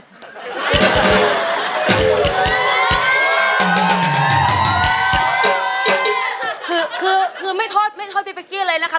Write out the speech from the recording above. คือคือคือไม่โทษไม่โทษปีเป๊กกี้อะไรนะครับ